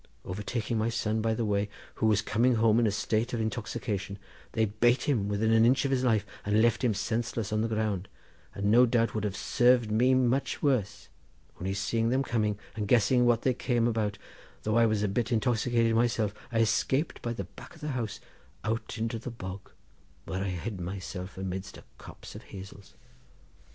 Overtaking my son by the way, who was coming home in a state of intoxication, they bate him within an inch of his life, and left him senseless on the ground, and no doubt would have served me much worse, only seeing them coming, and guessing what they came about, though I was a bit intoxicated myself, I escaped by the back of the house out into the bog, where I hid myself amidst a copse of hazels.